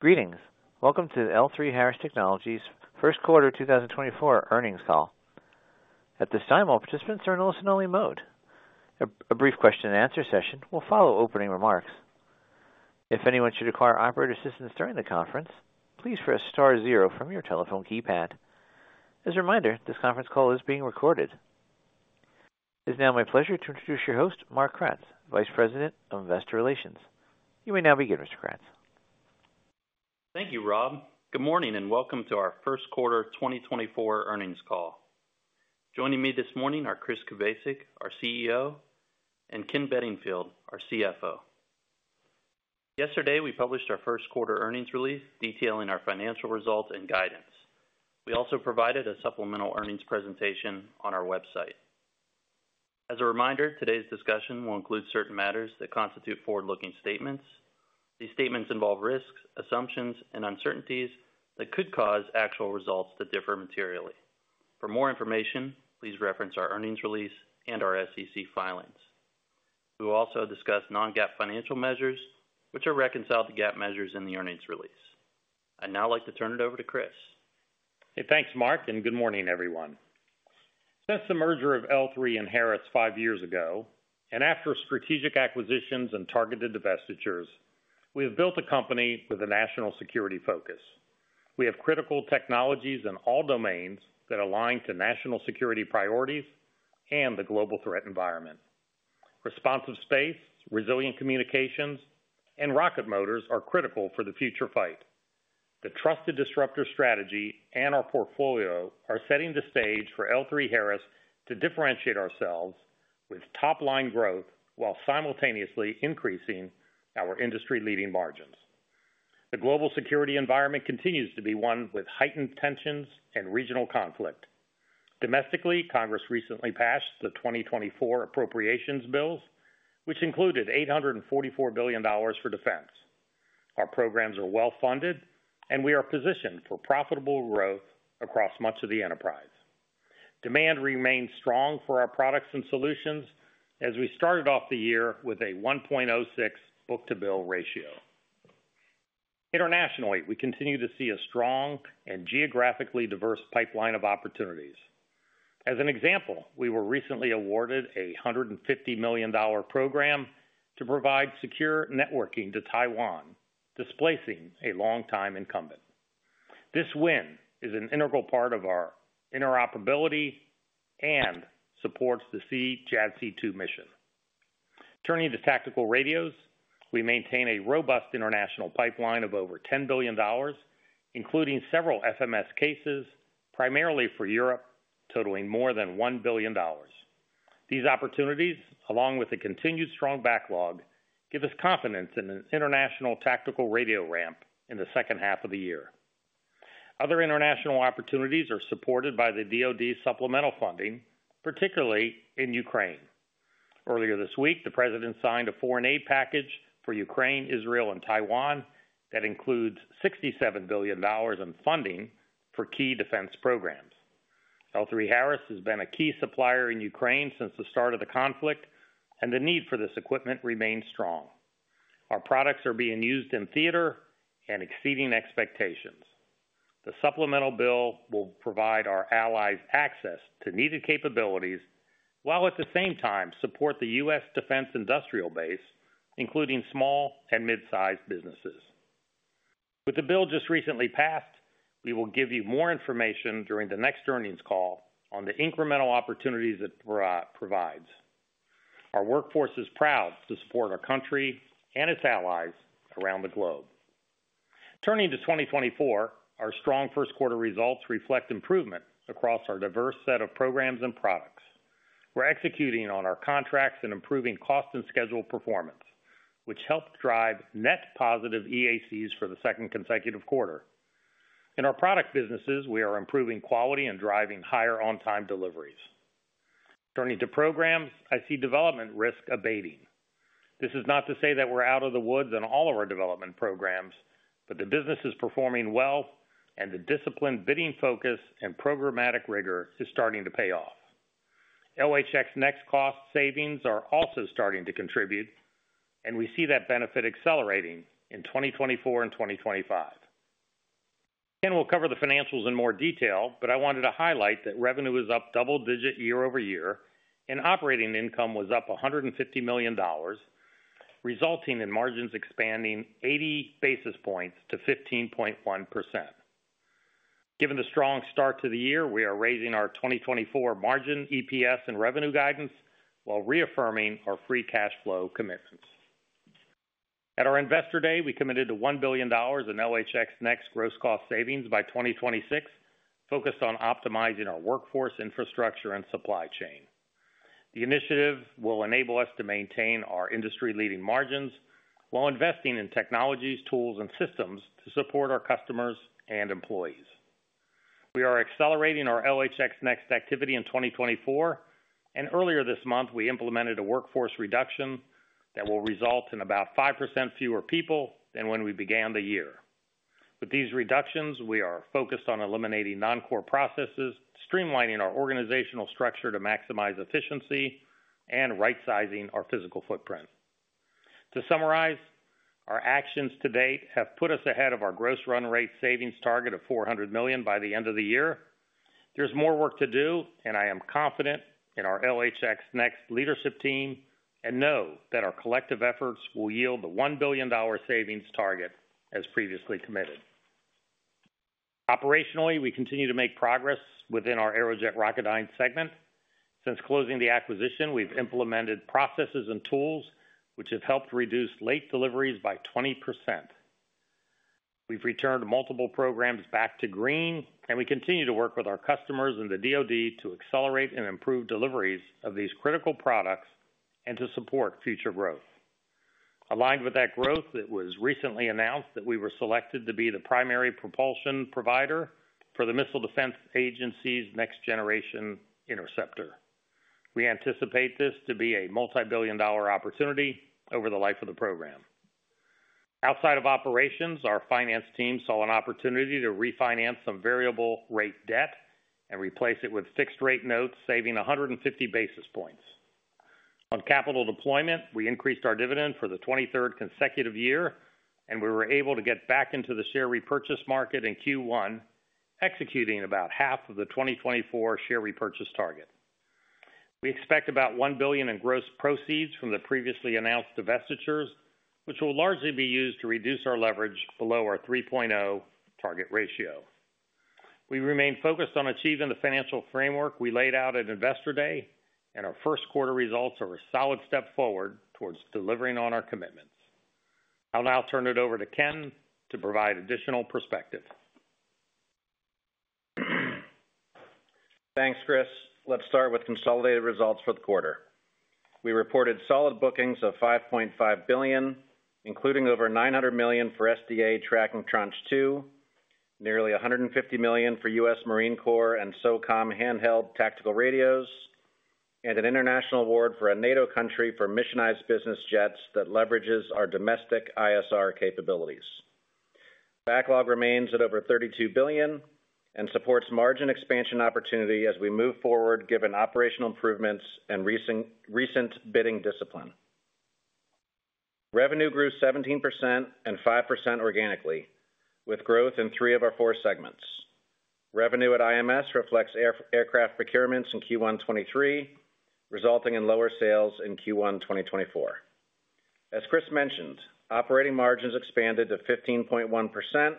Greetings! Welcome to the L3Harris Technologies First Quarter 2024 Earnings Call. At this time, all participants are in listen-only mode. A brief question and answer session will follow opening remarks. If anyone should require operator assistance during the conference, please press star zero from your telephone keypad. As a reminder, this conference call is being recorded. It is now my pleasure to introduce your host, Mark Kratz, Vice President of Investor Relations. You may now begin, Mr. Kratz. Thank you, Rob. Good morning, and welcome to our first quarter 2024 earnings call. Joining me this morning are Chris Kubasik, our CEO, and Ken Bedingfield, our CFO. Yesterday, we published our first quarter earnings release, detailing our financial results and guidance. We also provided a supplemental earnings presentation on our website. As a reminder, today's discussion will include certain matters that constitute forward-looking statements. These statements involve risks, assumptions, and uncertainties that could cause actual results to differ materially. For more information, please reference our earnings release and our SEC filings. We will also discuss non-GAAP financial measures, which are reconciled to GAAP measures in the earnings release. I'd now like to turn it over to Chris. Hey, thanks, Mark, and good morning, everyone. Since the merger of L3 and Harris five years ago, and after strategic acquisitions and targeted divestitures, we have built a company with a national security focus. We have critical technologies in all domains that align to national security priorities and the global threat environment. Responsive space, resilient communications, and rocket motors are critical for the future fight. The trusted disruptor strategy and our portfolio are setting the stage for L3Harris to differentiate ourselves with top-line growth while simultaneously increasing our industry-leading margins. The global security environment continues to be one with heightened tensions and regional conflict. Domestically, Congress recently passed the 2024 appropriations bills, which included $844 billion for defense. Our programs are well-funded, and we are positioned for profitable growth across much of the enterprise. Demand remains strong for our products and solutions as we started off the year with a 1.06 book-to-bill ratio. Internationally, we continue to see a strong and geographically diverse pipeline of opportunities. As an example, we were recently awarded a $150 million program to provide secure networking to Taiwan, displacing a longtime incumbent. This win is an integral part of our interoperability and supports the CJADC2 mission. Turning to tactical radios, we maintain a robust international pipeline of over $10 billion, including several FMS cases, primarily for Europe, totaling more than $1 billion. These opportunities, along with a continued strong backlog, give us confidence in an international tactical radio ramp in the second half of the year. Other international opportunities are supported by the DoD supplemental funding, particularly in Ukraine. Earlier this week, the President signed a foreign aid package for Ukraine, Israel, and Taiwan that includes $67 billion in funding for key defense programs. L3Harris has been a key supplier in Ukraine since the start of the conflict, and the need for this equipment remains strong. Our products are being used in theater and exceeding expectations. The supplemental bill will provide our allies access to needed capabilities, while at the same time support the U.S. defense industrial base, including small and mid-sized businesses. With the bill just recently passed, we will give you more information during the next earnings call on the incremental opportunities it provides. Our workforce is proud to support our country and its allies around the globe. Turning to 2024, our strong first quarter results reflect improvement across our diverse set of programs and products. We're executing on our contracts and improving cost and schedule performance, which helped drive net positive EACs for the second consecutive quarter. In our product businesses, we are improving quality and driving higher on-time deliveries. Turning to programs, I see development risk abating. This is not to say that we're out of the woods on all of our development programs, but the business is performing well, and the disciplined bidding focus and programmatic rigor is starting to pay off. LHX NeXT cost savings are also starting to contribute, and we see that benefit accelerating in 2024 and 2025. Ken will cover the financials in more detail, but I wanted to highlight that revenue is up double-digit year-over-year, and operating income was up $150 million, resulting in margins expanding 80 basis points to 15.1%. Given the strong start to the year, we are raising our 2024 margin, EPS, and revenue guidance while reaffirming our free cash flow commitments. At our Investor Day, we committed to $1 billion in LHX NeXT gross cost savings by 2026, focused on optimizing our workforce, infrastructure, and supply chain. The initiative will enable us to maintain our industry-leading margins while investing in technologies, tools, and systems to support our customers and employees. We are accelerating our LHX NeXT activity in 2024, and earlier this month, we implemented a workforce reduction that will result in about 5% fewer people than when we began the year. With these reductions, we are focused on eliminating non-core processes, streamlining our organizational structure to maximize efficiency, and rightsizing our physical footprint. To summarize, our actions to date have put us ahead of our gross run rate savings target of $400 million by the end of the year. There's more work to do, and I am confident in our LHX NeXT leadership team, and know that our collective efforts will yield the $1 billion savings target as previously committed. Operationally, we continue to make progress within our Aerojet Rocketdyne segment. Since closing the acquisition, we've implemented processes and tools which have helped reduce late deliveries by 20%. We've returned multiple programs back to green, and we continue to work with our customers and the DoD to accelerate and improve deliveries of these critical products and to support future growth. Aligned with that growth, it was recently announced that we were selected to be the primary propulsion provider for the Missile Defense Agency's Next Generation Interceptor. We anticipate this to be a multibillion-dollar opportunity over the life of the program. Outside of operations, our finance team saw an opportunity to refinance some variable rate debt and replace it with fixed rate notes, saving 150 basis points. On capital deployment, we increased our dividend for the 23rd consecutive year, and we were able to get back into the share repurchase market in Q1, executing about half of the 2024 share repurchase target. We expect about $1 billion in gross proceeds from the previously announced divestitures, which will largely be used to reduce our leverage below our 3.0 target ratio. We remain focused on achieving the financial framework we laid out at Investor Day, and our first quarter results are a solid step forward towards delivering on our commitments. I'll now turn it over to Ken to provide additional perspective. Thanks, Chris. Let's start with consolidated results for the quarter. We reported solid bookings of $5.5 billion, including over $900 million for SDA Tracking Tranche 2, nearly $150 million for U.S. Marine Corps and SOCOM handheld tactical radios, and an international award for a NATO country for missionized business jets that leverages our domestic ISR capabilities. Backlog remains at over $32 billion and supports margin expansion opportunity as we move forward, given operational improvements and recent bidding discipline. Revenue grew 17% and 5% organically, with growth in three of our four segments. Revenue at IMS reflects aircraft procurements in Q1 2023, resulting in lower sales in Q1 2024. As Chris mentioned, operating margins expanded to 15.1%,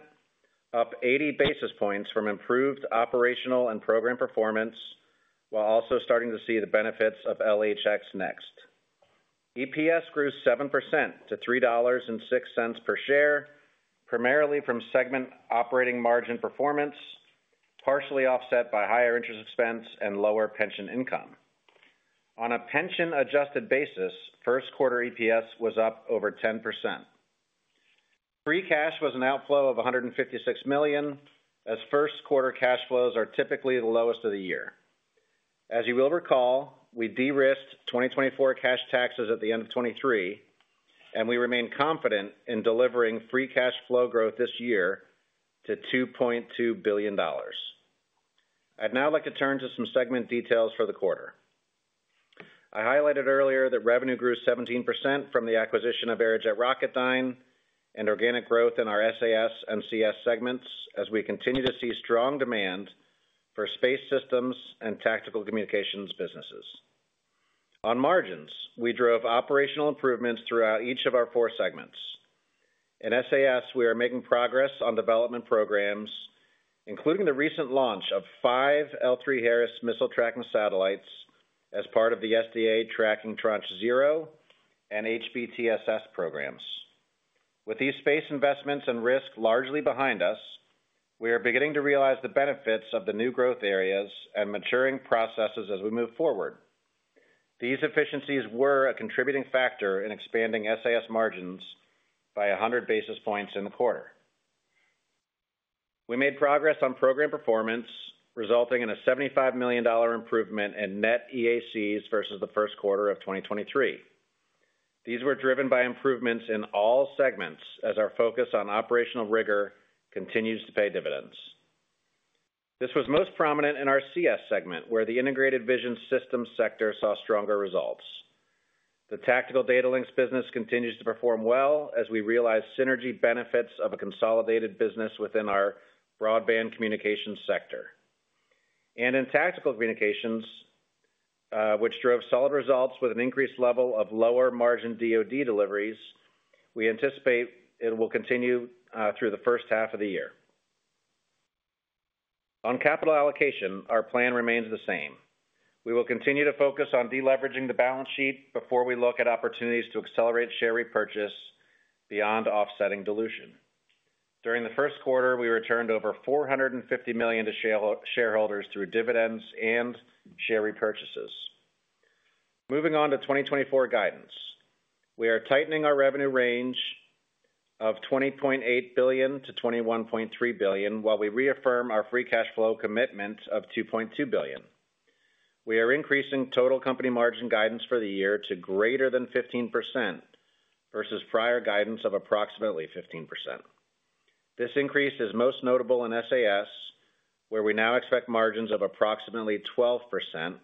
up 80 basis points from improved operational and program performance, while also starting to see the benefits of LHX NeXT. EPS grew 7% to $3.06 per share, primarily from segment operating margin performance, partially offset by higher interest expense and lower pension income. On a pension-adjusted basis, first quarter EPS was up over 10%. Free cash was an outflow of $156 million, as first quarter cash flows are typically the lowest of the year. As you will recall, we de-risked 2024 cash taxes at the end of 2023, and we remain confident in delivering free cash flow growth this year to $2.2 billion. I'd now like to turn to some segment details for the quarter. I highlighted earlier that revenue grew 17% from the acquisition of Aerojet Rocketdyne and organic growth in our SAS and CS segments as we continue to see strong demand for space systems and Tactical Communications businesses. On margins, we drove operational improvements throughout each of our four segments. In SAS, we are making progress on development programs, including the recent launch of 5 L3Harris missile tracking satellites as part of the SDA Tracking Tranche 0 and HBTSS programs. With these space investments and risk largely behind us, we are beginning to realize the benefits of the new growth areas and maturing processes as we move forward. These efficiencies were a contributing factor in expanding SAS margins by 100 basis points in the quarter. We made progress on program performance, resulting in a $75 million improvement in net EACs versus the first quarter of 2023. These were driven by improvements in all segments as our focus on operational rigor continues to pay dividends. This was most prominent in our CS segment, where the Integrated Vision Systems sector saw stronger results. The Tactical Data Links business continues to perform well as we realize synergy benefits of a consolidated business within our Broadband Communications sector. And in Tactical Communications, which drove solid results with an increased level of lower margin DoD deliveries, we anticipate it will continue through the first half of the year. On capital allocation, our plan remains the same. We will continue to focus on deleveraging the balance sheet before we look at opportunities to accelerate share repurchase beyond offsetting dilution. During the first quarter, we returned over $450 million to shareholders through dividends and share repurchases. Moving on to 2024 guidance. We are tightening our revenue range of $20.8 billion-$21.3 billion, while we reaffirm our free cash flow commitment of $2.2 billion.... we are increasing total company margin guidance for the year to greater than 15% versus prior guidance of approximately 15%. This increase is most notable in SAS, where we now expect margins of approximately 12%,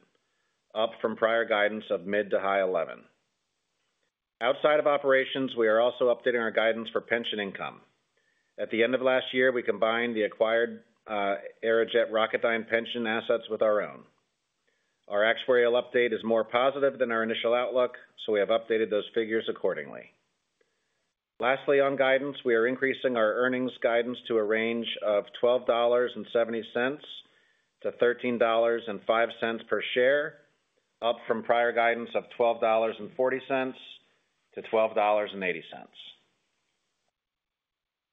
up from prior guidance of mid- to high-11. Outside of operations, we are also updating our guidance for pension income. At the end of last year, we combined the acquired Aerojet Rocketdyne pension assets with our own. Our actuarial update is more positive than our initial outlook, so we have updated those figures accordingly. Lastly, on guidance, we are increasing our earnings guidance to a range of $12.70-$13.05 per share, up from prior guidance of $12.40-$12.80.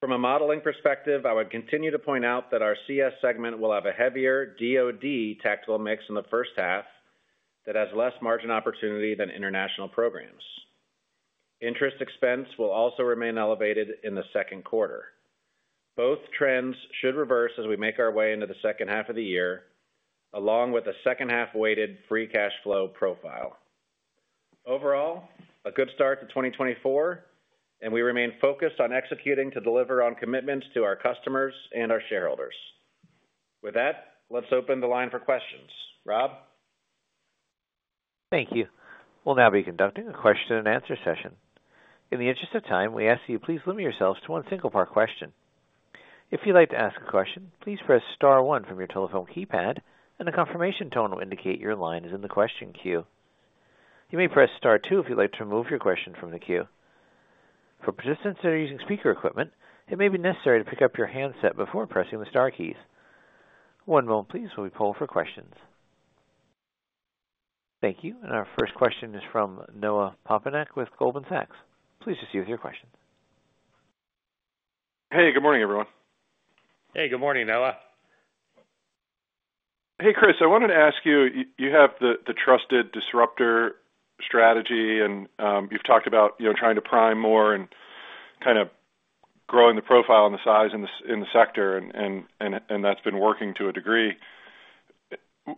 From a modeling perspective, I would continue to point out that our CS segment will have a heavier DoD tactical mix in the first half that has less margin opportunity than international programs. Interest expense will also remain elevated in the second quarter. Both trends should reverse as we make our way into the second half of the year, along with a second half-weighted free cash flow profile. Overall, a good start to 2024, and we remain focused on executing to deliver on commitments to our customers and our shareholders. With that, let's open the line for questions. Rob? Thank you. We'll now be conducting a question and answer session. In the interest of time, we ask you, please limit yourselves to one single part question. If you'd like to ask a question, please press star one from your telephone keypad, and a confirmation tone will indicate your line is in the question queue. You may press star two if you'd like to remove your question from the queue. For participants that are using speaker equipment, it may be necessary to pick up your handset before pressing the star keys. One moment please, while we poll for questions. Thank you. Our first question is from Noah Poponak with Goldman Sachs. Please proceed with your question. Hey, good morning, everyone. Hey, good morning, Noah. Hey, Chris, I wanted to ask you, you have the trusted disruptor strategy, and you've talked about, you know, trying to prime more and kind of growing the profile and the size in the sector, and that's been working to a degree.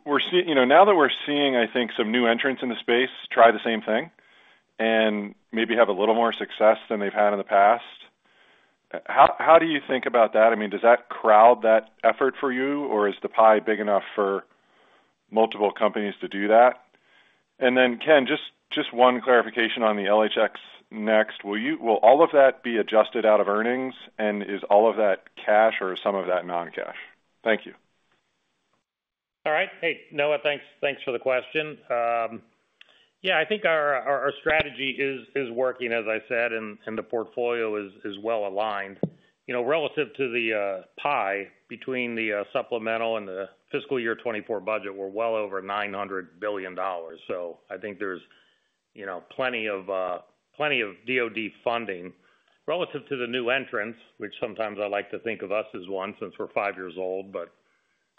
We're seeing, you know, now that we're seeing, I think, some new entrants in the space, try the same thing and maybe have a little more success than they've had in the past, how do you think about that? I mean, does that crowd that effort for you, or is the pie big enough for multiple companies to do that? And then, Ken, just one clarification on the LHX NeXT. Will all of that be adjusted out of earnings, and is all of that cash or some of that non-cash? Thank you. All right. Hey, Noah, thanks. Thanks for the question. Yeah, I think our strategy is working, as I said, and the portfolio is well aligned. You know, relative to the pie between the supplemental and the fiscal year 2024 budget, we're well over $900 billion. So I think there's, you know, plenty of DoD funding. Relative to the new entrants, which sometimes I like to think of us as one, since we're five years old, but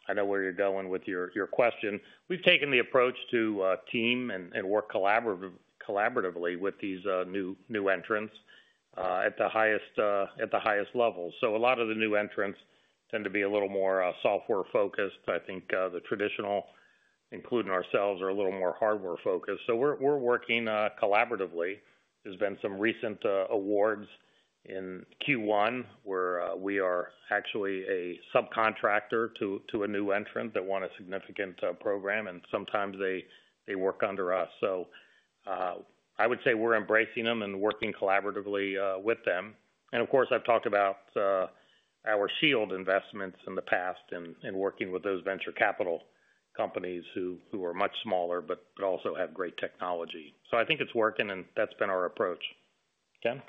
I know where you're going with your question. We've taken the approach to team and work collaboratively with these new entrants at the highest level. So a lot of the new entrants tend to be a little more software focused. I think the traditional, including ourselves, are a little more hardware focused. So we're working collaboratively. There's been some recent awards in Q1, where we are actually a subcontractor to a new entrant that won a significant program, and sometimes they work under us. So I would say we're embracing them and working collaboratively with them. And of course, I've talked about our shield investments in the past and working with those venture capital companies who are much smaller, but also have great technology. So I think it's working, and that's been our approach. Ken?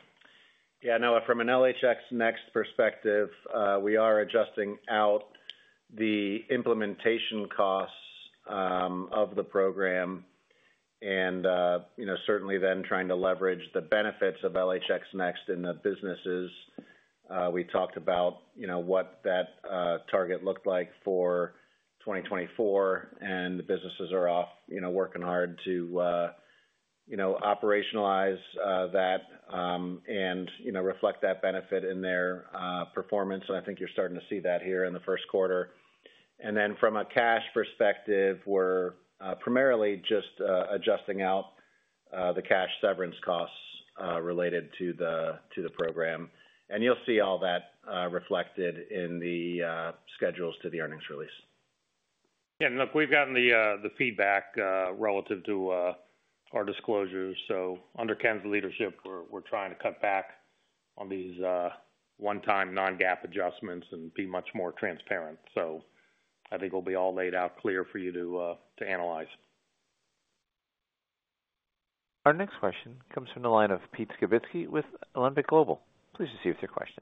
Yeah, Noah, from an LHX NeXT perspective, we are adjusting out the implementation costs of the program and, you know, certainly then trying to leverage the benefits of LHX NeXT in the businesses. We talked about, you know, what that target looked like for 2024, and the businesses are off, you know, working hard to, you know, operationalize that and, you know, reflect that benefit in their performance. And I think you're starting to see that here in the first quarter. And then from a cash perspective, we're primarily just adjusting out the cash severance costs related to the program. And you'll see all that reflected in the schedules to the earnings release. Look, we've gotten the feedback relative to our disclosures. So under Ken's leadership, we're trying to cut back on these one-time non-GAAP adjustments and be much more transparent. So I think we'll be all laid out clear for you to analyze. Our next question comes from the line of Pete Skibitski with Alembic Global Advisors. Please proceed with your question.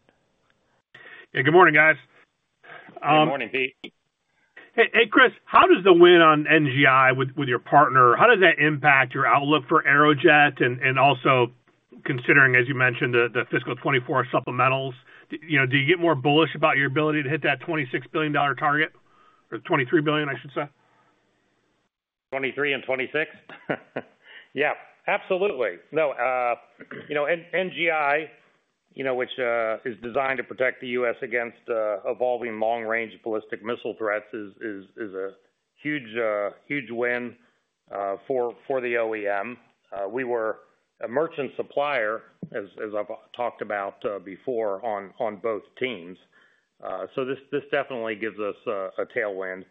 Hey, good morning, guys. Good morning, Pete. Hey, Chris, how does the win on NGI with your partner impact your outlook for Aerojet? And also considering, as you mentioned, the fiscal 2024 supplementals, you know, do you get more bullish about your ability to hit that $26 billion target, or $23 billion, I should say? 23 and 26? Yeah, absolutely. No, you know, NGI, you know, which is designed to protect the U.S. against evolving long-range ballistic missile threats, is a huge win for the OEM. We were a merchant supplier, as I've talked about before, on both teams. So this definitely gives us a tailwind.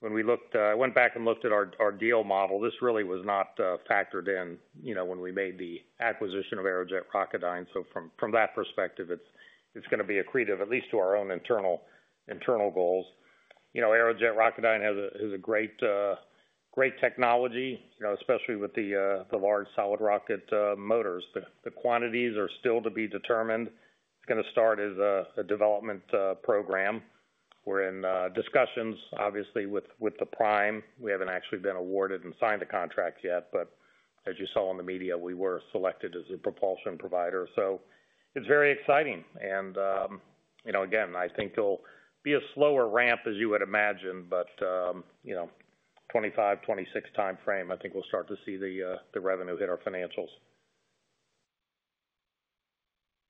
When we went back and looked at our deal model, this really was not factored in, you know, when we made the acquisition of Aerojet Rocketdyne. So from that perspective, it's gonna be accretive, at least to our own internal goals. You know, Aerojet Rocketdyne has a great technology, you know, especially with the large solid rocket motors. The quantities are still to be determined, gonna start as a development program. We're in discussions, obviously, with the prime. We haven't actually been awarded and signed a contract yet, but as you saw in the media, we were selected as a propulsion provider. So it's very exciting. And you know, again, I think it'll be a slower ramp, as you would imagine, but you know, 2025-2026 timeframe, I think we'll start to see the revenue hit our financials.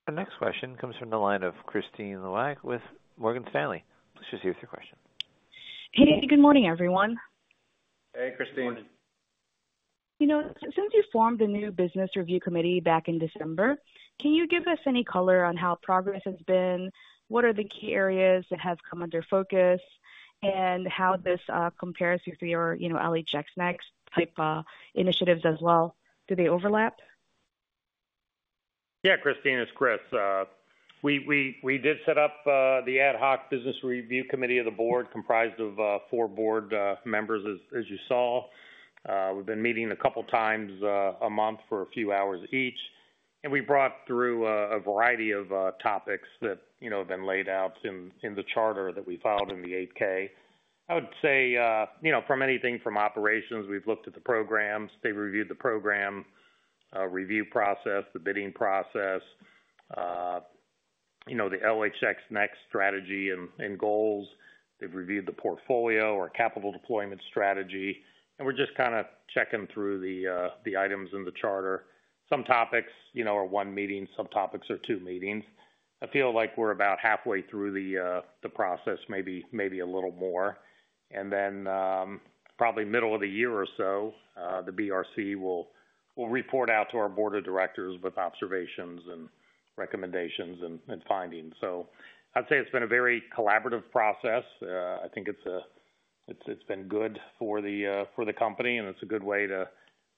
The next question comes from the line of Kristine Liwag with Morgan Stanley. Please proceed with your question. Hey, good morning, everyone. Hey, Christine. Morning. You know, since you formed a new business review committee back in December, can you give us any color on how progress has been? What are the key areas that have come under focus, and how this compares with your, you know, LHX NeXT type initiatives as well? Do they overlap? Yeah, Christine, it's Chris. We did set up the ad hoc business review committee of the board, comprised of four board members, as you saw. We've been meeting a couple times a month for a few hours each, and we brought through a variety of topics that, you know, have been laid out in the charter that we filed in the 8-K. I would say, you know, from anything from operations, we've looked at the programs. They've reviewed the program review process, the bidding process, you know, the LHX NeXT strategy and goals. They've reviewed the portfolio, our capital deployment strategy, and we're just kind of checking through the items in the charter. Some topics, you know, are one meeting, some topics are two meetings. I feel like we're about halfway through the, the process, maybe, maybe a little more. And then, probably middle of the year or so, the BRC will, will report out to our board of directors with observations and recommendations and, and findings. So I'd say it's been a very collaborative process. I think it's, it's, it's been good for the, for the company, and it's a good way to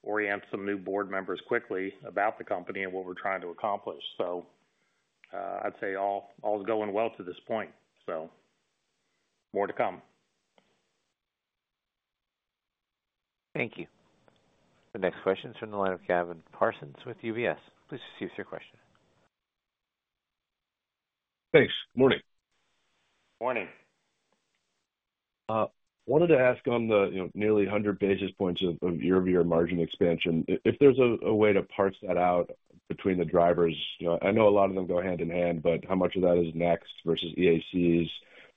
orient some new board members quickly about the company and what we're trying to accomplish. So, I'd say all, all is going well to this point, so more to come. Thank you. The next question is from the line of Gavin Parsons with UBS. Please proceed with your question. Thanks. Good morning. Morning. Wanted to ask on the, you know, nearly 100 basis points of year-over-year margin expansion, if there's a way to parse that out between the drivers. You know, I know a lot of them go hand in hand, but how much of that is next versus EACs,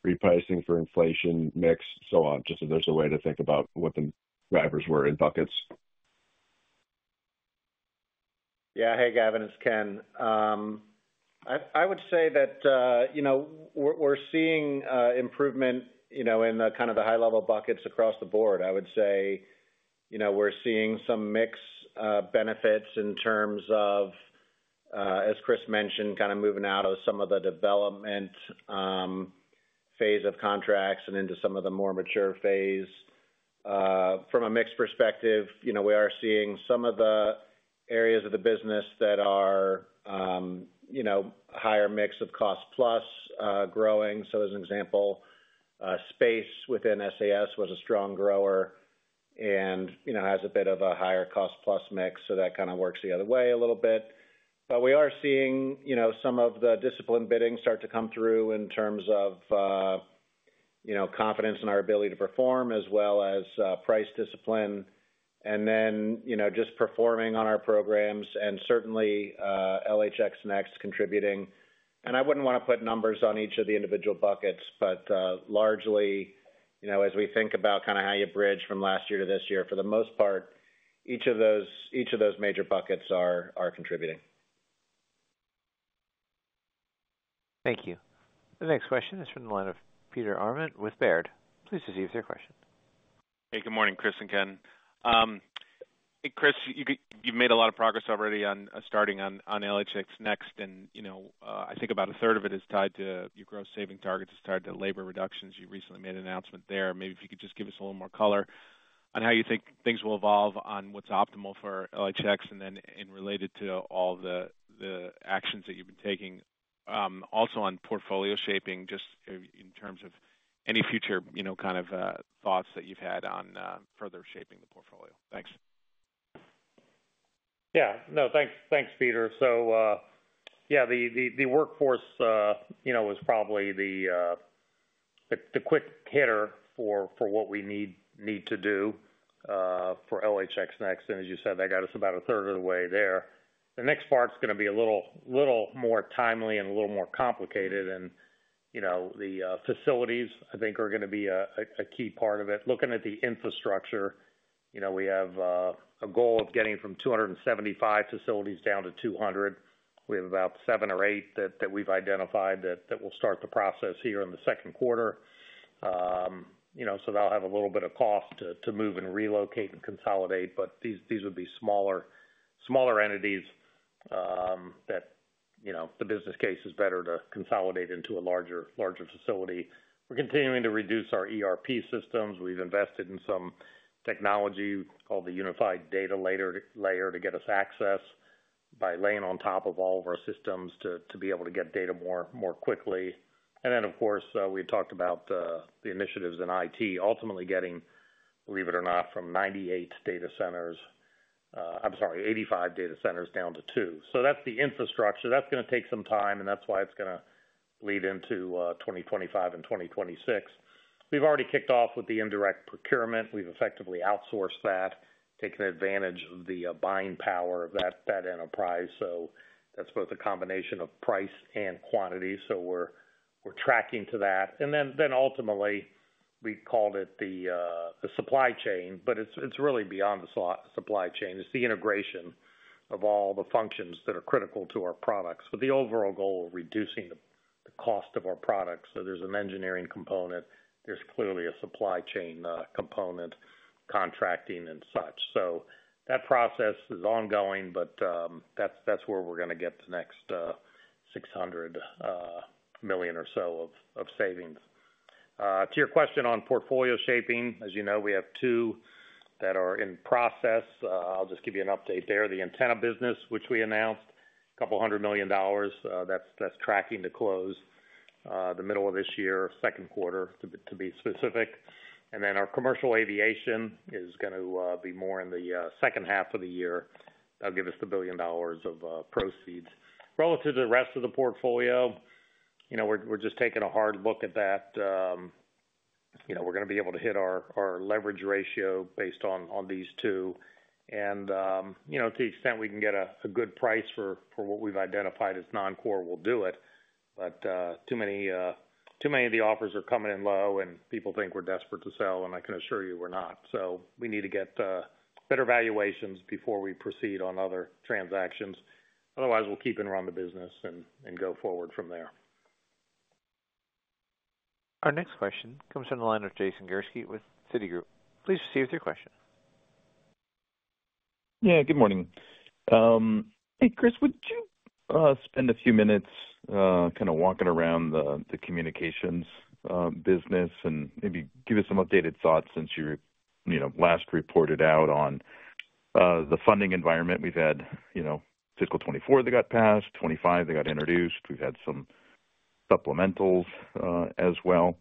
repricing for inflation, mix, so on? Just if there's a way to think about what the drivers were in buckets. Yeah. Hey, Gavin, it's Ken. I would say that, you know, we're seeing improvement, you know, in the kind of the high level buckets across the board. I would say, you know, we're seeing some mix benefits in terms of, as Chris mentioned, kind of moving out of some of the development phase of contracts and into some of the more mature phase. From a mix perspective, you know, we are seeing some of the areas of the business that are, you know, higher mix of cost plus growing. So as an example, space within SAS was a strong grower and, you know, has a bit of a higher cost plus mix, so that kind of works the other way a little bit. But we are seeing, you know, some of the disciplined bidding start to come through in terms of, you know, confidence in our ability to perform as well as, price discipline, and then, you know, just performing on our programs and certainly, LHX NeXT contributing. And I wouldn't want to put numbers on each of the individual buckets, but, largely, you know, as we think about kind of how you bridge from last year to this year, for the most part, each of those major buckets are contributing. Thank you. The next question is from the line of Peter Arment with Baird. Please proceed with your question. Hey, good morning, Chris and Ken. Chris, you, you've made a lot of progress already on, starting on, on LHX NeXT, and, you know, I think about a third of it is tied to your gross saving targets. It's tied to labor reductions. You recently made an announcement there. Maybe if you could just give us a little more color on how you think things will evolve, on what's optimal for LHX, and then in related to all the, the actions that you've been taking. Also on portfolio shaping, just in terms of any future, you know, kind of, thoughts that you've had on, further shaping the portfolio. Thanks. Yeah. No, thanks, thanks, Peter. So, yeah, the workforce, you know, was probably the quick hitter for what we need to do for LHX NeXT, and as you said, that got us about a third of the way there. The next part's gonna be a little more timely and a little more complicated and, you know, the facilities, I think are gonna be a key part of it. Looking at the infrastructure... You know, we have a goal of getting from 275 facilities down to 200. We have about seven or eight that we've identified that will start the process here in the second quarter. You know, so that'll have a little bit of cost to move and relocate and consolidate, but these would be smaller entities that, you know, the business case is better to consolidate into a larger facility. We're continuing to reduce our ERP systems. We've invested in some technology called the Unified Data Layer to get us access by laying on top of all of our systems to be able to get data more quickly. And then, of course, we talked about the initiatives in IT ultimately getting, believe it or not, from 98 data centers, I'm sorry, 85 data centers down to two. So that's the infrastructure. That's gonna take some time, and that's why it's gonna lead into 2025 and 2026. We've already kicked off with the indirect procurement. We've effectively outsourced that, taking advantage of the buying power of that enterprise. So that's both a combination of price and quantity, so we're tracking to that. Then ultimately, we called it the supply chain, but it's really beyond the supply chain. It's the integration of all the functions that are critical to our products, with the overall goal of reducing the cost of our products. So there's an engineering component, there's clearly a supply chain component, contracting and such. So that process is ongoing, but that's where we're gonna get the next $600 million or so of savings. To your question on portfolio shaping, as you know, we have two that are in process. I'll just give you an update there. The antenna business, which we announced, $200 million, that's tracking to close, the middle of this year, second quarter, to be specific. And then our commercial aviation is gonna be more in the second half of the year. That'll give us the $1 billion of proceeds. Relative to the rest of the portfolio, you know, we're just taking a hard look at that. You know, we're gonna be able to hit our leverage ratio based on these two, and you know, to the extent we can get a good price for what we've identified as non-core, we'll do it. But too many of the offers are coming in low, and people think we're desperate to sell, and I can assure you we're not. So we need to get better valuations before we proceed on other transactions. Otherwise, we'll keep and run the business and go forward from there. Our next question comes from the line of Jason Gursky with Citigroup. Please proceed with your question. Yeah, good morning. Hey, Chris, would you spend a few minutes kind of walking around the communications business and maybe give us some updated thoughts since you're last reported out on the funding environment? We've had fiscal 2024 that got passed, 2025 that got introduced. We've had some supplementals as well.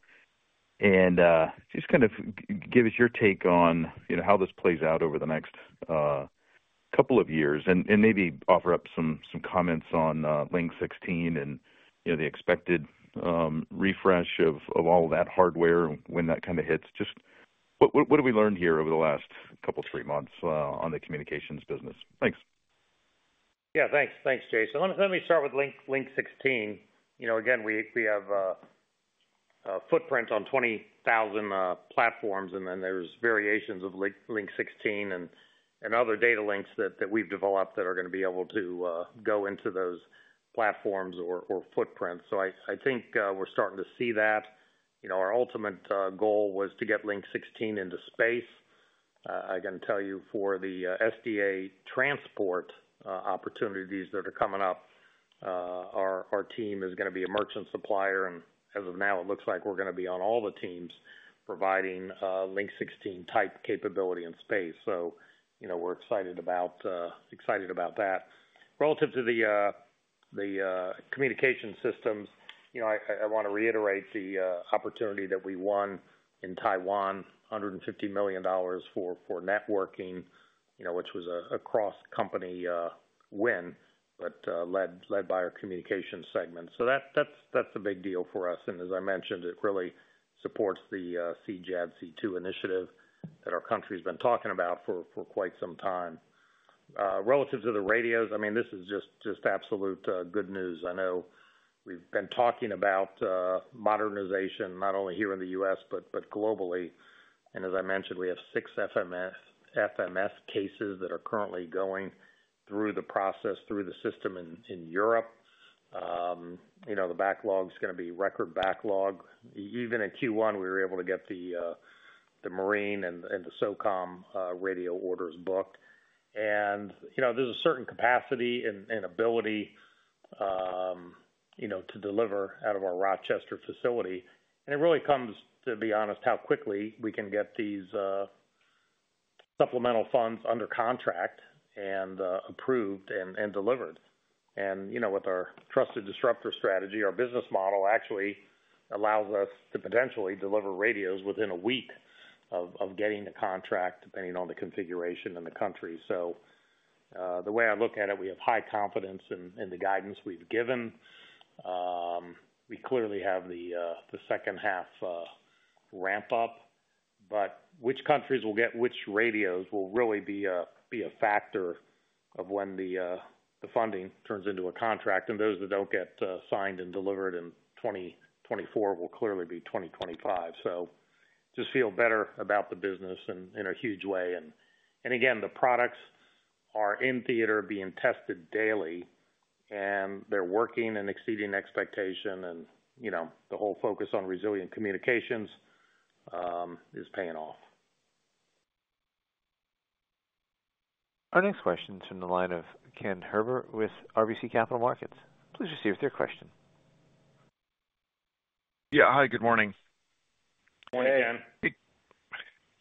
And just kind of give us your take on how this plays out over the next couple of years, and maybe offer up some comments on Link-16 and the expected refresh of all that hardware when that kind of hits. Just what have we learned here over the last couple, three months on the communications business? Thanks. Yeah, thanks. Thanks, Jason. Let me, let me start with Link-16. You know, again, we, we have a footprint on 20,000 platforms, and then there's variations of Link-16 and other data links that we've developed that are gonna be able to go into those platforms or footprints. So I, I think we're starting to see that. You know, our ultimate goal was to get Link-16 into space. I can tell you for the SDA transport opportunities that are coming up, our team is gonna be a merchant supplier, and as of now, it looks like we're gonna be on all the teams providing Link-16 type capability and space. So, you know, we're excited about excited about that. Relative to the communication systems, you know, I wanna reiterate the opportunity that we won in Taiwan, $150 million for networking, you know, which was a cross-company win, but led by our communication segment. So that's a big deal for us, and as I mentioned, it really supports the CJADC2 initiative that our country's been talking about for quite some time. Relative to the radios, I mean, this is just absolute good news. I know we've been talking about modernization, not only here in the U.S., but globally. And as I mentioned, we have six FMS cases that are currently going through the process, through the system in Europe. You know, the backlog is gonna be record backlog. Even in Q1, we were able to get the Marine and the SOCOM radio orders booked. And, you know, there's a certain capacity and ability to deliver out of our Rochester facility. And it really comes, to be honest, how quickly we can get these supplemental funds under contract and approved and delivered. And, you know, with our trusted disruptor strategy, our business model actually allows us to potentially deliver radios within a week of getting the contract, depending on the configuration and the country. So, the way I look at it, we have high confidence in the guidance we've given. We clearly have the second half ramp up, but which countries will get which radios will really be a factor-... of when the funding turns into a contract, and those that don't get signed and delivered in 2024 will clearly be 2025. So just feel better about the business in a huge way. And again, the products are in theater being tested daily, and they're working and exceeding expectation. And, you know, the whole focus on resilient communications is paying off. Our next question is from the line of Ken Herbert with RBC Capital Markets. Please proceed with your question. Yeah. Hi, good morning. Good morning, Ken. Hey.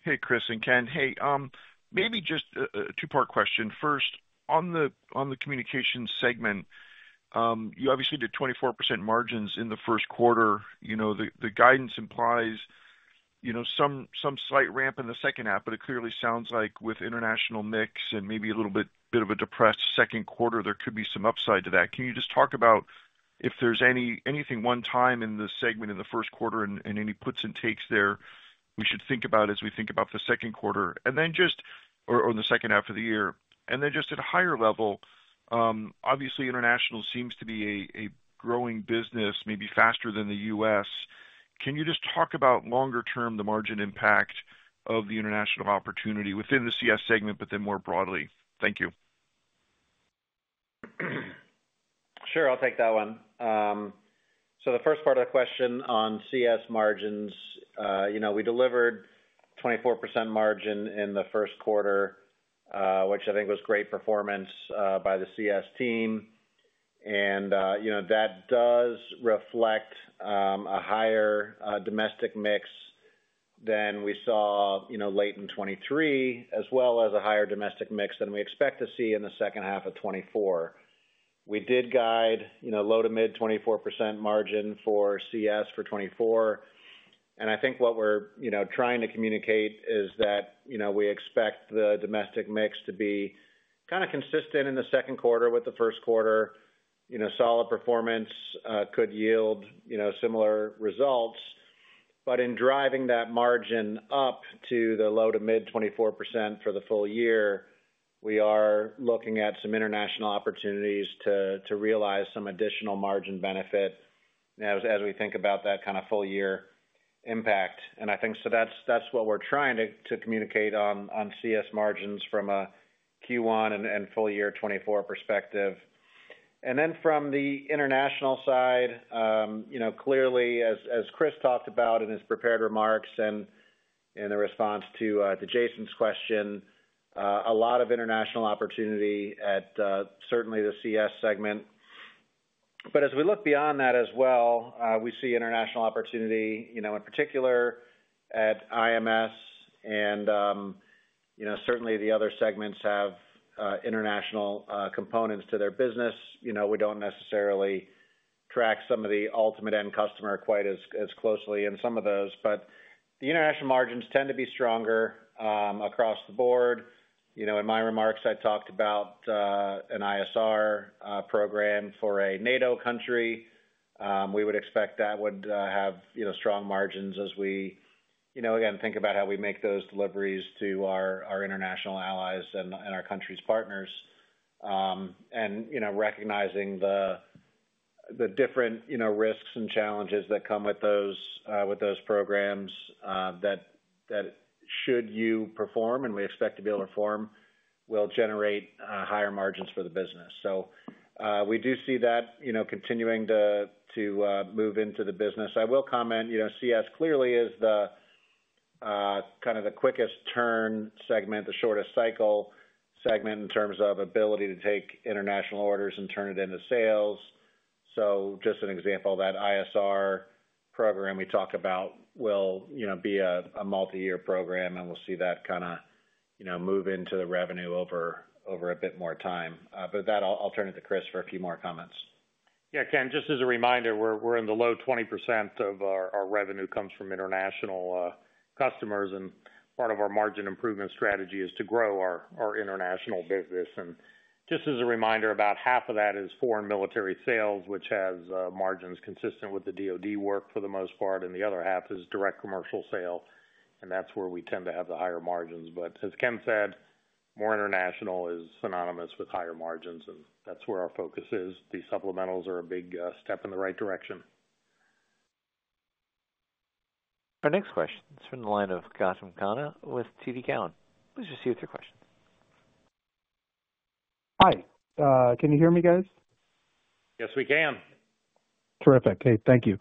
Hey, Chris and Ken. Hey, maybe just a two-part question. First, on the communications segment, you obviously did 24% margins in the first quarter. You know, the guidance implies, you know, some slight ramp in the second half, but it clearly sounds like with international mix and maybe a little bit of a depressed second quarter, there could be some upside to that. Can you just talk about if there's anything one time in this segment in the first quarter and any puts and takes there we should think about as we think about the second quarter? Or the second half of the year. And then just at a higher level, obviously, international seems to be a growing business, maybe faster than the US. Can you just talk about longer term, the margin impact of the international opportunity within the CS segment, but then more broadly? Thank you. Sure, I'll take that one. So the first part of the question on CS margins, you know, we delivered 24% margin in the first quarter, which I think was great performance by the CS team. And, you know, that does reflect a higher domestic mix than we saw, you know, late in 2023, as well as a higher domestic mix than we expect to see in the second half of 2024. We did guide, you know, low-to-mid 24% margin for CS for 2024, and I think what we're, you know, trying to communicate is that, you know, we expect the domestic mix to be kind of consistent in the second quarter with the first quarter. You know, solid performance could yield, you know, similar results. But in driving that margin up to the low-to-mid 24% for the full year, we are looking at some international opportunities to realize some additional margin benefit as we think about that kind of full year impact. And I think so that's what we're trying to communicate on CS margins from a Q1 and full year 2024 perspective. And then from the international side, you know, clearly, as Chris talked about in his prepared remarks and in the response to Jason's question, a lot of international opportunity at certainly the CS segment. But as we look beyond that as well, we see international opportunity, you know, in particular at IMS and, you know, certainly the other segments have international components to their business. You know, we don't necessarily track some of the ultimate end customer quite as, as closely in some of those, but the international margins tend to be stronger across the board. You know, in my remarks, I talked about an ISR program for a NATO country. We would expect that would have, you know, strong margins as we, you know, again, think about how we make those deliveries to our, our international allies and, and our country's partners. And, you know, recognizing the, the different, you know, risks and challenges that come with those, with those programs, that, that should you perform, and we expect to be able to perform, will generate higher margins for the business. So, we do see that, you know, continuing to move into the business. I will comment, you know, CS clearly is the kind of the quickest turn segment, the shortest cycle segment in terms of ability to take international orders and turn it into sales. So just an example, that ISR program we talk about will, you know, be a multi-year program, and we'll see that kind of, you know, move into the revenue over a bit more time. But with that, I'll turn it to Chris for a few more comments. Yeah, Ken, just as a reminder, we're in the low 20% of our revenue comes from international customers, and part of our margin improvement strategy is to grow our international business. Just as a reminder, about half of that is foreign military sales, which has margins consistent with the DoD work for the most part, and the other half is direct commercial sale, and that's where we tend to have the higher margins. But as Ken said, more international is synonymous with higher margins, and that's where our focus is. These supplementals are a big step in the right direction. Our next question is from the line of Gautam Khanna with TD Cowen. Please proceed with your question. Hi, can you hear me, guys? Yes, we can. Terrific. Okay, thank you.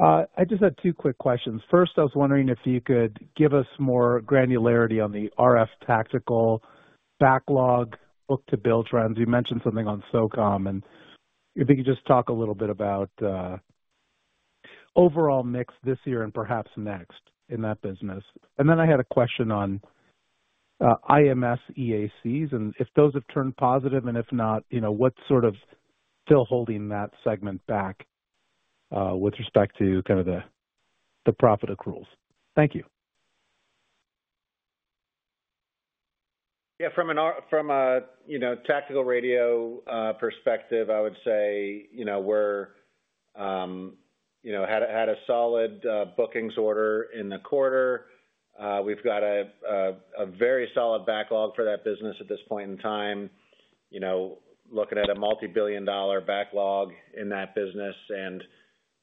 I just had two quick questions. First, I was wondering if you could give us more granularity on the RF tactical backlog book-to-bill trends. You mentioned something on SOCOM, and if you could just talk a little bit about overall mix this year and perhaps next in that business. And then I had a question on IMS EACs, and if those have turned positive, and if not, you know, what's sort of still holding that segment back with respect to kind of the profit accruals? Thank you. Yeah, from a, you know, tactical radio perspective, I would say, you know, we're-... you know, had a solid bookings order in the quarter. We've got a very solid backlog for that business at this point in time. You know, looking at a multibillion-dollar backlog in that business, and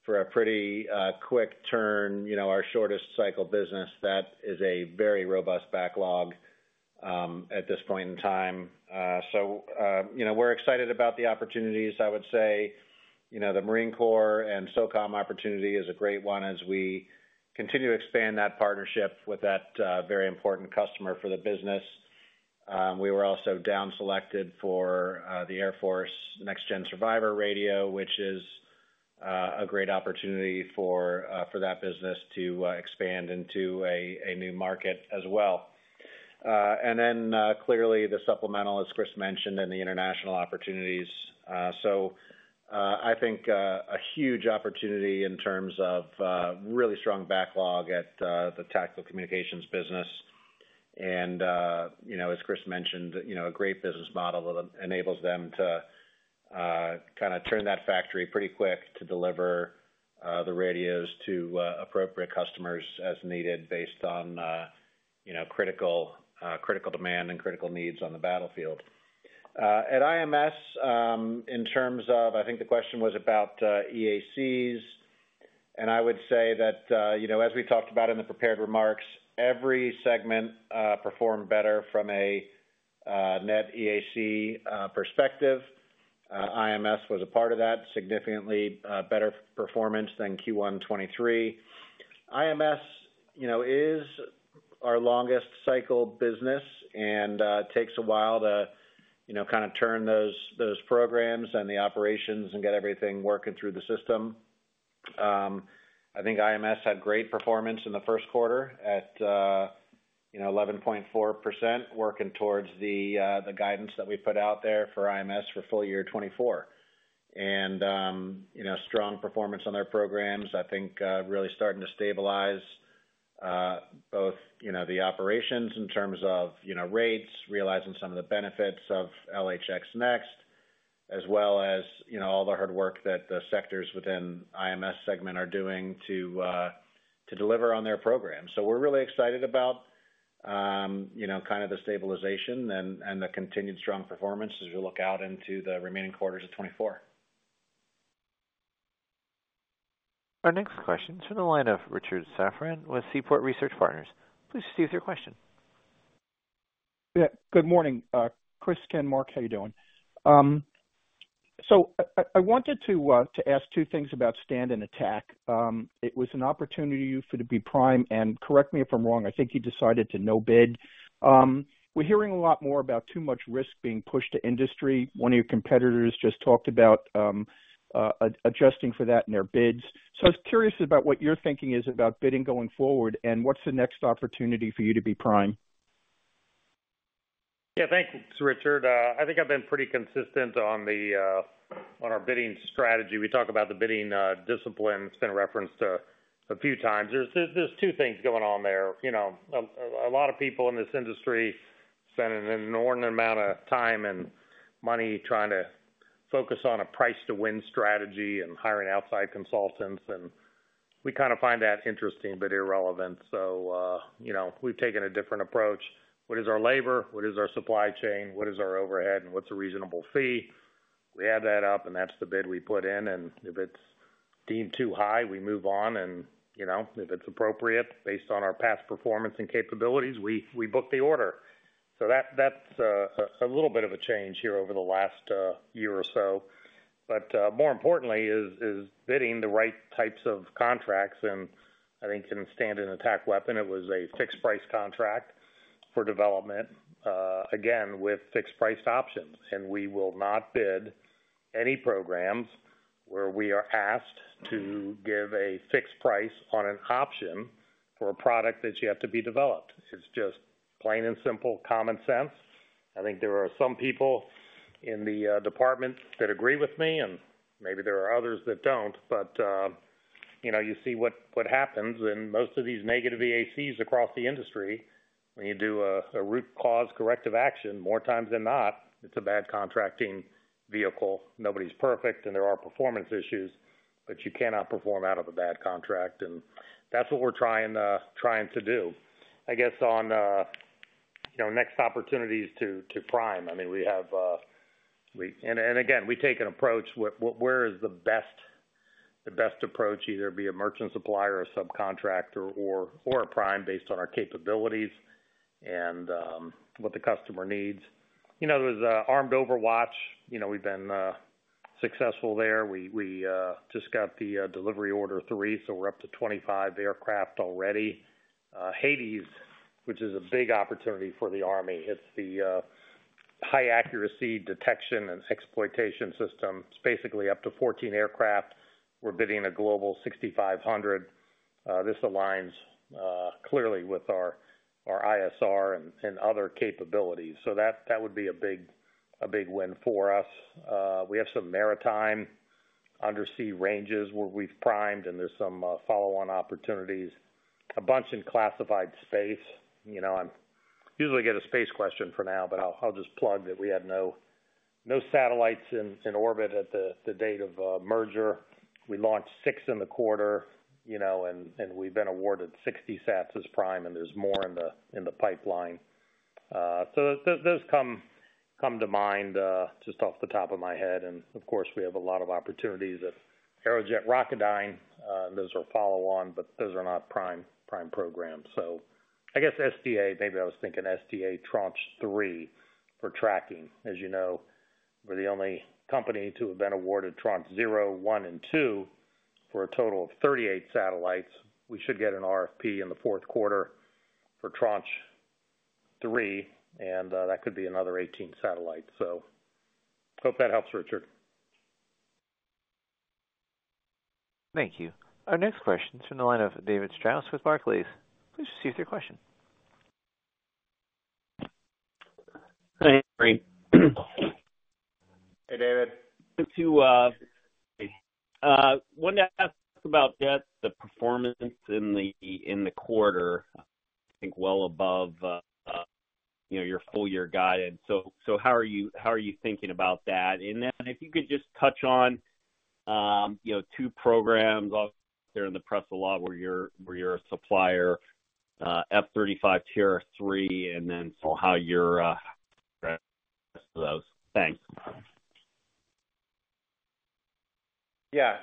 for a pretty quick turn, you know, our shortest cycle business, that is a very robust backlog at this point in time. So, you know, we're excited about the opportunities, I would say. You know, the Marine Corps and SOCOM opportunity is a great one as we continue to expand that partnership with that very important customer for the business. We were also down selected for the Air Force Next Gen Survivable radio, which is a great opportunity for that business to expand into a new market as well. And then, clearly, the supplemental, as Chris mentioned, and the international opportunities. So, I think a huge opportunity in terms of really strong backlog at the Tactical Communications business. And, you know, as Chris mentioned, you know, a great business model that enables them to kind of turn that factory pretty quick to deliver the radios to appropriate customers as needed, based on, you know, critical critical demand and critical needs on the battlefield. At IMS, in terms of... I think the question was about EACs, and I would say that, you know, as we talked about in the prepared remarks, every segment performed better from a net EAC perspective. IMS was a part of that, significantly better performance than Q1 2023. IMS, you know, is our longest cycle business and takes a while to, you know, kind of turn those programs and the operations and get everything working through the system. I think IMS had great performance in the first quarter at, you know, 11.4%, working towards the guidance that we put out there for IMS for full year 2024. You know, strong performance on their programs, I think, really starting to stabilize both, you know, the operations in terms of, you know, rates, realizing some of the benefits of LHX NeXT, as well as, you know, all the hard work that the sectors within IMS segment are doing to deliver on their program. We're really excited about, you know, kind of the stabilization and the continued strong performance as we look out into the remaining quarters of 2024. Our next question is from the line of Richard Safran with Seaport Research Partners. Please proceed with your question. Yeah. Good morning, Chris, Ken, Mark, how you doing? So I wanted to ask two things about Stand-in Attack. It was an opportunity for you to be prime, and correct me if I'm wrong, I think you decided to no-bid. We're hearing a lot more about too much risk being pushed to industry. One of your competitors just talked about adjusting for that in their bids. So I was curious about what your thinking is about bidding going forward, and what's the next opportunity for you to be prime? Yeah, thanks, Richard. I think I've been pretty consistent on the, on our bidding strategy. We talk about the bidding discipline. It's been referenced a few times. There's two things going on there. You know, a lot of people in this industry spend an inordinate amount of time and money trying to focus on a price-to-win strategy and hiring outside consultants, and we kind of find that interesting but irrelevant. So, you know, we've taken a different approach. What is our labor? What is our supply chain? What is our overhead? And what's a reasonable fee? We add that up, and that's the bid we put in, and if it's deemed too high, we move on, and, you know, if it's appropriate, based on our past performance and capabilities, we book the order. So that's a little bit of a change here over the last year or so. But more importantly, bidding the right types of contracts, and I think in Stand-in Attack Weapon, it was a fixed-price contract for development, again, with fixed-price options. And we will not bid any programs where we are asked to give a fixed price on an option for a product that yet to be developed. It's just plain and simple common sense. I think there are some people in the department that agree with me, and maybe there are others that don't. But you know, you see what happens in most of these negative EACs across the industry. When you do a root cause corrective action, more times than not, it's a bad contracting vehicle. Nobody's perfect, and there are performance issues, but you cannot perform out of a bad contract, and that's what we're trying to do. I guess, on next opportunities to prime, I mean, we have, and again, we take an approach, where is the best approach, either it be a merchant supplier or subcontractor or a prime, based on our capabilities and what the customer needs. You know, there's Armed Overwatch, you know, we've been successful there. We just got the delivery order three, so we're up to 25 aircraft already. HADES, which is a big opportunity for the Army. It's the high accuracy detection and exploitation system. It's basically up to 14 aircraft. We're bidding a Global 6500. This aligns clearly with our ISR and other capabilities, so that would be a big win for us. We have some maritime undersea ranges where we've primed, and there's some follow-on opportunities. A bunch in classified space. You know, usually get a space question for now, but I'll just plug that we had no satellites in orbit at the date of merger. We launched six in the quarter, you know, and we've been awarded 60 sats as prime, and there's more in the pipeline. So those come to mind just off the top of my head, and of course, we have a lot of opportunities at Aerojet Rocketdyne. Those are follow-on, but those are not prime programs. So I guess SDA, maybe I was thinking SDA Tranche 3 for tracking. As you know, we're the only company to have been awarded Tranche 0, 1 and 2 for a total of 38 satellites. We should get an RFP in the fourth quarter for Tranche 3, and that could be another 18 satellites. So hope that helps, Richard. Thank you. Our next question is from the line of David Strauss with Barclays. Please proceed with your question. Hi, Henry. Hey, David. Wanted to ask about just the performance in the quarter. I think well above, you know, your full year guidance. So how are you thinking about that? And then if you could just touch on, you know, two programs out there in the press a lot, where you're a supplier, F-35 TR-3, and then so how you're, Right. Those. Thanks. Yeah.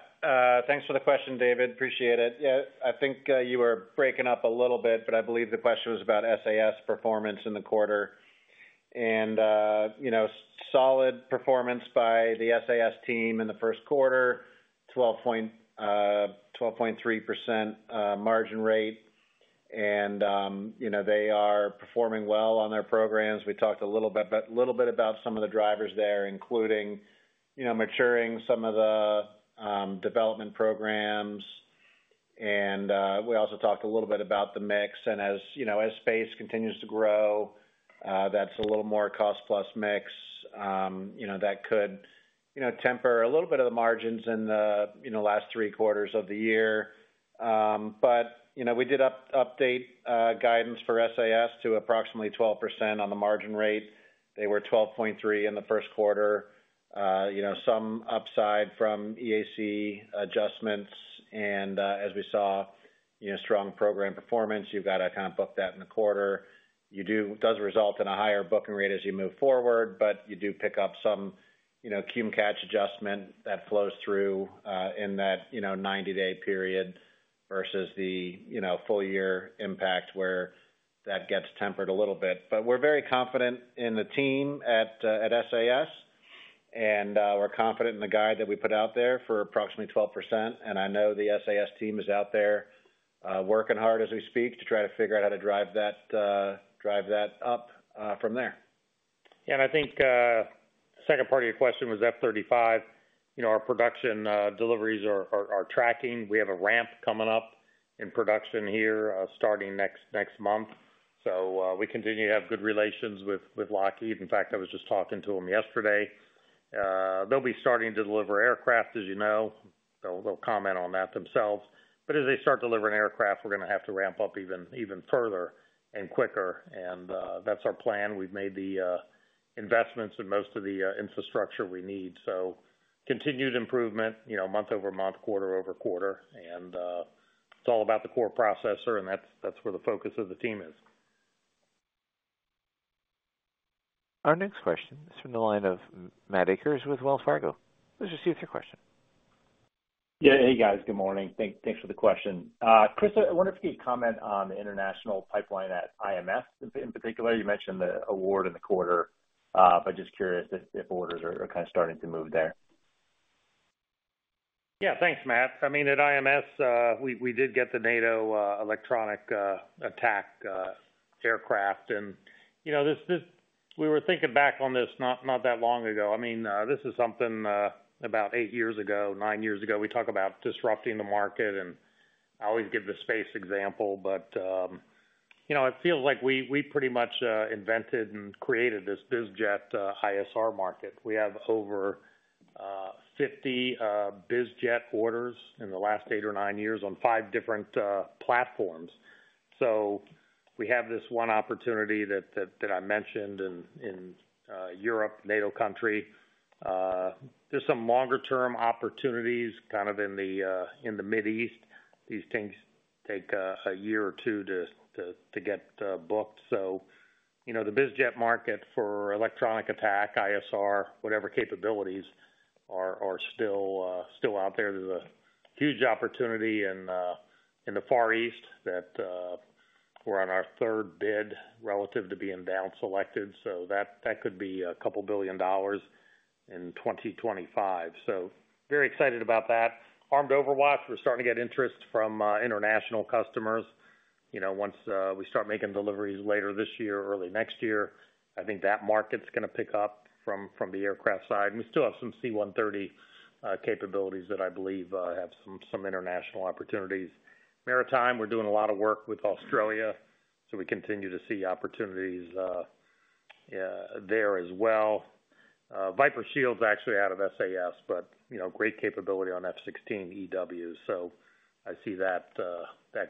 Thanks for the question, David. Appreciate it. Yeah, I think you were breaking up a little bit, but I believe the question was about SAS performance in the quarter. And you know, solid performance by the SAS team in the first quarter, 12.3% margin rate. And you know, they are performing well on their programs. We talked a little bit about some of the drivers there, including, you know, maturing some of the development programs. And we also talked a little bit about the mix. And as you know, as space continues to grow, that's a little more cost plus mix. You know, that could temper a little bit of the margins in the last three quarters of the year. But, you know, we did update guidance for SAS to approximately 12% on the margin rate. They were 12.3 in the first quarter. You know, some upside from EAC adjustments, and, as we saw, you know, strong program performance, you've got to kind of book that in the quarter. It does result in a higher booking rate as you move forward, but you do pick up some, you know, catch-up adjustment that flows through, in that, you know, 90-day period versus the, you know, full year impact, where that gets tempered a little bit. But we're very confident in the team at, at SAS, and, we're confident in the guide that we put out there for approximately 12%. And I know the SAS team is out there, working hard as we speak to try to figure out how to drive that, drive that up, from there. And I think, the second part of your question was F-35. You know, our production deliveries are, are, are tracking. We have a ramp coming up in production here, starting next, next month. So, we continue to have good relations with, with Lockheed. In fact, I was just talking to them yesterday. They'll be starting to deliver aircraft, as you know. They'll, they'll comment on that themselves. But as they start delivering aircraft, we're gonna have to ramp up even, even further and quicker, and, that's our plan. We've made the, investments in most of the, infrastructure we need. Continued improvement, you know, month-over-month, quarter-over-quarter, and it's all about the core processor, and that's, that's where the focus of the team is. Our next question is from the line of Matt Akers with Wells Fargo. Please proceed with your question. Yeah. Hey, guys, good morning. Thanks for the question. Chris, I wonder if you could comment on the international pipeline at IMS in particular. You mentioned the award in the quarter, but just curious if orders are kind of starting to move there? Yeah. Thanks, Matt. I mean, at IMS, we did get the NATO electronic attack aircraft. And, you know, this—this we were thinking back on this not that long ago. I mean, this is something about eight years ago, nine years ago, we talked about disrupting the market, and I always give the space example. But, you know, it feels like we pretty much invented and created this biz jet ISR market. We have over 50 biz jet orders in the last 8 or 9 years on five different platforms. So we have this one opportunity that I mentioned in Europe, NATO country. There's some longer term opportunities kind of in the Middle East. These things take a year or two to get booked. So, you know, the biz jet market for electronic attack, ISR, whatever capabilities are still out there. There's a huge opportunity in the Far East that we're on our third bid relative to being down selected, so that could be $2 billion in 2025. So very excited about that. Armed Overwatch, we're starting to get interest from international customers. You know, once we start making deliveries later this year or early next year, I think that market's gonna pick up from the aircraft side. We still have some C-130 capabilities that I believe have some international opportunities. Maritime, we're doing a lot of work with Australia, so we continue to see opportunities there as well. Viper Shield's actually out of SAS, but, you know, great capability on F-16 EW. So I see that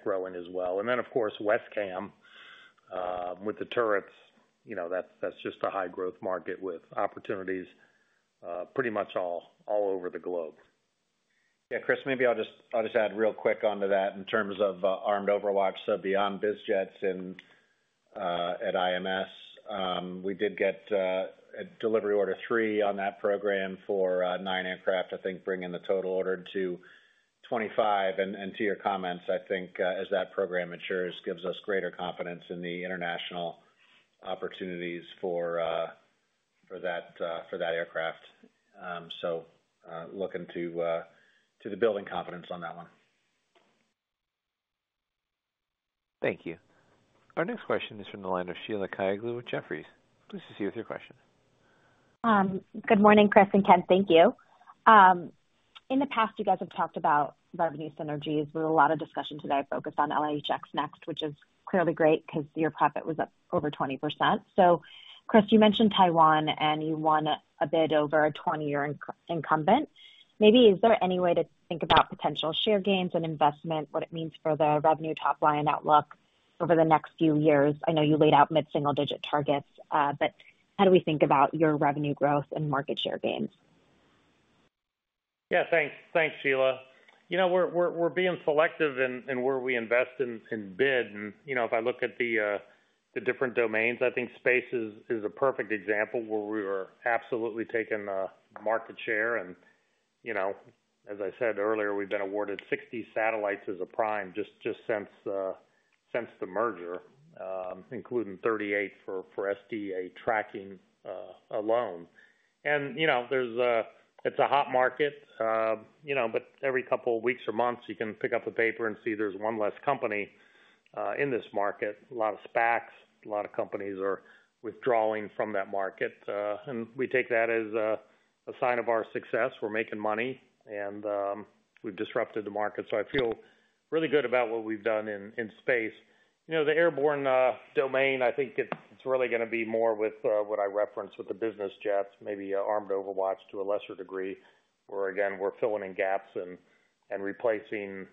growing as well. And then, of course, WESCAM, with the turrets, you know, that's just a high growth market with opportunities, pretty much all over the globe. Yeah, Chris, maybe I'll just, I'll just add real quick onto that in terms of Armed Overwatch. So beyond biz jets and at IMS, we did get a delivery order three on that program for nine aircraft, I think, bringing the total order to 25. And to your comments, I think as that program matures, gives us greater confidence in the international opportunities for that aircraft. So looking to build confidence on that one. Thank you. Our next question is from the line of Sheila Kahyaoglu with Jefferies. Please proceed with your question. Good morning, Chris and Ken. Thank you. In the past, you guys have talked about revenue synergies. There were a lot of discussions today focused on LHX NeXT, which is clearly great, 'cause your profit was up over 20%. So Chris, you mentioned Taiwan, and you won a bid over a 20-year incumbent. Maybe is there any way to think about potential share gains and investment, what it means for the revenue top line outlook over the next few years? I know you laid out mid-single digit targets, but how do we think about your revenue growth and market share gains? Yeah, thanks. Thanks, Sheila. You know, we're being selective in where we invest in bid. And, you know, if I look at the different domains, I think space is a perfect example where we were absolutely taking market share. And, you know, as I said earlier, we've been awarded 60 satellites as a prime, just since the merger, including 38 for SDA tracking alone. And, you know, there's a. It's a hot market, you know, but every couple of weeks or months, you can pick up a paper and see there's one less company in this market. A lot of SPACs, a lot of companies are withdrawing from that market, and we take that as a sign of our success. We're making money, and we've disrupted the market. So I feel really good about what we've done in space. You know, the airborne domain, I think it's really gonna be more with what I referenced with the business jets, maybe armed overwatch to a lesser degree, where, again, we're filling in gaps and replacing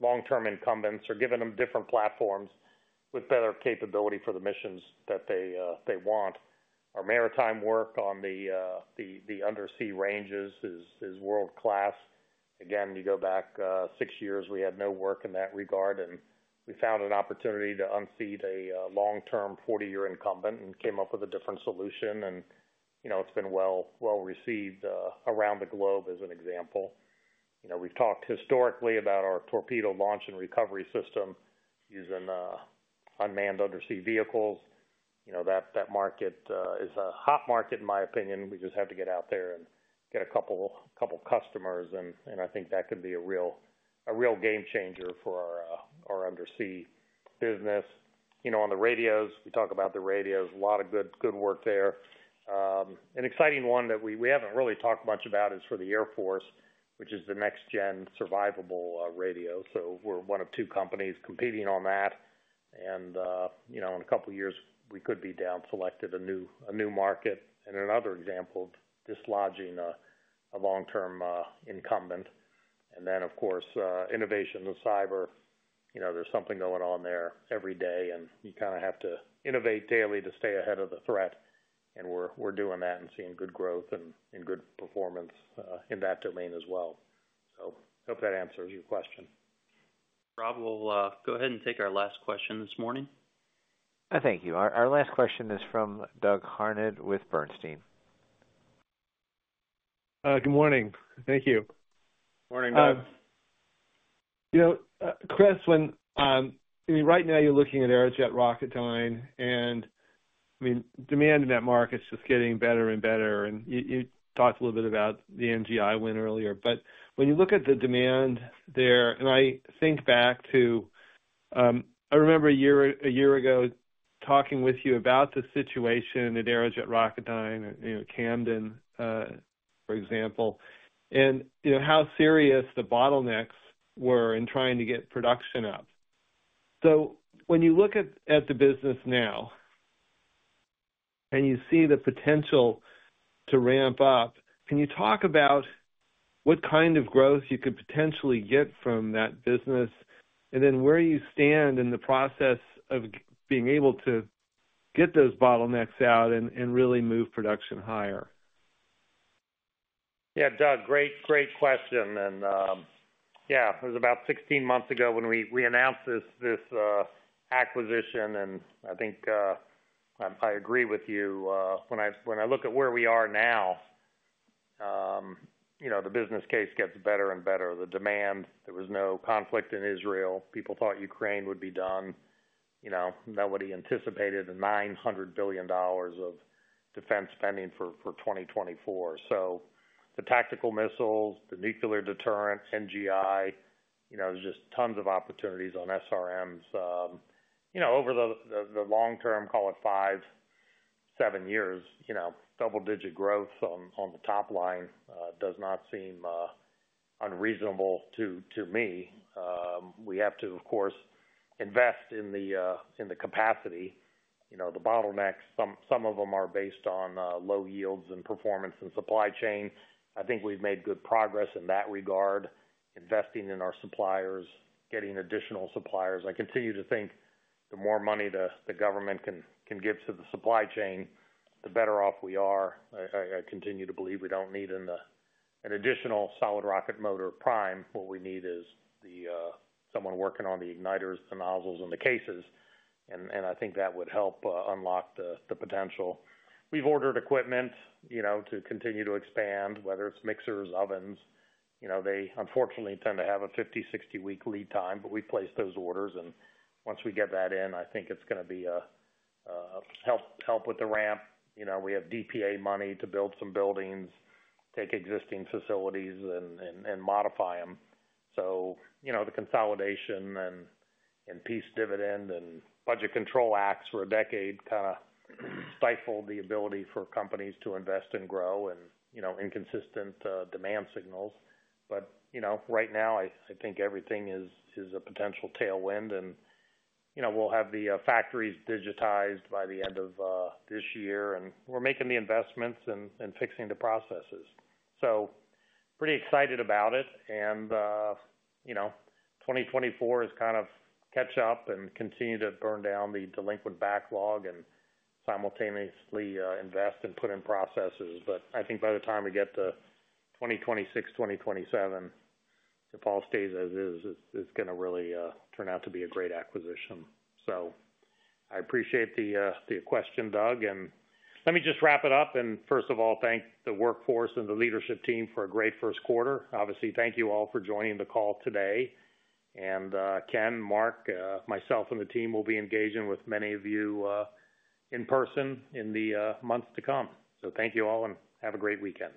long-term incumbents or giving them different platforms with better capability for the missions that they want. Our maritime work on the undersea ranges is world-class. Again, you go back six years, we had no work in that regard, and we found an opportunity to unseat a long-term 40-year incumbent and came up with a different solution. And, you know, it's been well received around the globe, as an example. You know, we've talked historically about our torpedo launch and recovery system using unmanned undersea vehicles. You know, that, that market is a hot market, in my opinion. We just have to get out there and get a couple, couple customers, and, and I think that could be a real, a real game changer for our, our undersea business. You know, on the radios, we talk about the radios, a lot of good, good work there. An exciting one that we, we haven't really talked much about is for the Air Force, which is the Next Gen Survivable Radio. So we're one of two companies competing on that. And, you know, in a couple of years, we could be down selected a new, a new market, and another example, dislodging a, a long-term, incumbent. And then, of course, innovation and cyber. You know, there's something going on there every day, and you kind of have to innovate daily to stay ahead of the threat. And we're, we're doing that and seeing good growth and, and good performance in that domain as well. So hope that answers your question. Rob, we'll go ahead and take our last question this morning. Thank you. Our last question is from Doug Harned with Bernstein. Good morning. Thank you. Morning, Doug. You know, Chris, when I mean, right now, you're looking at Aerojet Rocketdyne, and I mean, demand in that market is just getting better and better. And you, you talked a little bit about the NGI win earlier. But when you look at the demand there, and I think back to, I remember a year, a year ago, talking with you about the situation at Aerojet Rocketdyne, you know, Camden, for example, and you know, how serious the bottlenecks were in trying to get production up. So when you look at the business now, and you see the potential to ramp up, can you talk about what kind of growth you could potentially get from that business? And then where you stand in the process of being able to get those bottlenecks out and really move production higher? Yeah, Doug, great, great question. And, yeah, it was about 16 months ago when we, we announced this, this, acquisition, and I think, I, I agree with you. When I, when I look at where we are now, you know, the business case gets better and better. The demand, there was no conflict in Israel. People thought Ukraine would be done. You know, nobody anticipated the $900 billion of defense spending for 2024. So the tactical missiles, the nuclear deterrent, NGI, you know, there's just tons of opportunities on SRMs. You know, over the long term, call it five to seven years, you know, double-digit growth on the top line does not seem unreasonable to me. We have to, of course, invest in the capacity, you know, the bottlenecks. Some of them are based on low yields and performance and supply chain. I think we've made good progress in that regard, investing in our suppliers, getting additional suppliers. I continue to think the more money the government can give to the supply chain, the better off we are. I continue to believe we don't need an additional solid rocket motor prime. What we need is someone working on the igniters, the nozzles, and the cases, and I think that would help unlock the potential. We've ordered equipment, you know, to continue to expand, whether it's mixers, ovens. You know, they unfortunately tend to have a 50-60-week lead time, but we've placed those orders, and once we get that in, I think it's gonna be a help with the ramp. You know, we have DPA money to build some buildings, take existing facilities and modify them. So, you know, the consolidation and peace dividend and Budget Control Acts for a decade kinda stifled the ability for companies to invest and grow and, you know, inconsistent demand signals. But, you know, right now, I think everything is a potential tailwind and, you know, we'll have the factories digitized by the end of this year, and we're making the investments and fixing the processes. So pretty excited about it, and, you know, 2024 is kind of catch up and continue to burn down the delinquent backlog and simultaneously invest and put in processes. But I think by the time we get to 2026, 2027, if all stays as is, it's, it's gonna really turn out to be a great acquisition. So I appreciate the, the question, Doug, and let me just wrap it up, and first of all, thank the workforce and the leadership team for a great first quarter. Obviously, thank you all for joining the call today. And, Ken, Mark, myself and the team will be engaging with many of you, in person in the, months to come. So thank you all, and have a great weekend.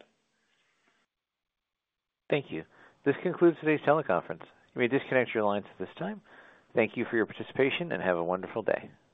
Thank you. This concludes today's teleconference. You may disconnect your lines at this time. Thank you for your participation, and have a wonderful day.